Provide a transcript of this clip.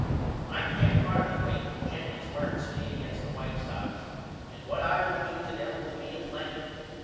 I can't hardly wait till Jennings works me against the White Sox and what I will do to them will be a plenty.